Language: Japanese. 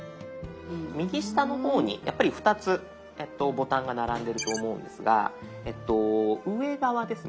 右下の方にやっぱり２つボタンが並んでると思うんですがえっと上側ですね。